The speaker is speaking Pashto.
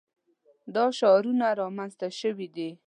دا شعارونه رامنځته شوي دي.